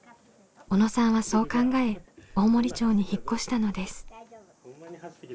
小野さんはそう考え大森町に引っ越したのです。